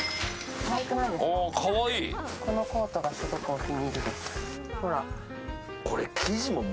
このコートがすごくお気に入りです。